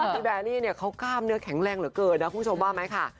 พี่เเบรรี่เนี่ยเขาก้ามเนื้อแค่งแรงเหลือเกินนะคุณผู้ชมว่ามั้ยคะ